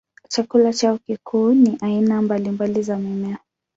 Chakula chao kikuu ni aina mbalimbali za mimea.